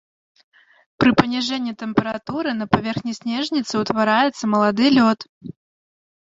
Пры паніжэнні тэмпературы на паверхні снежніцы ўтвараецца малады лёд.